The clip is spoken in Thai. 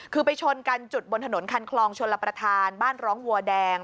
คือไปชนกันจุดบนถนนคันคลองชลประธานบ้านร้องวัวแดง